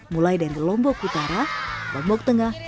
mulai dari lombok utara lombok tengah